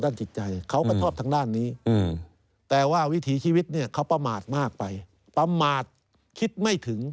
ทางด้านนี้แต่ว่าวิถีชีวิตเนี่ยเขาประมาทมากไปประมาทคิดไม่ถึง